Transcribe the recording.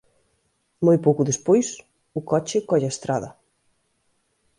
Moi pouco despois, o coche colle a estrada.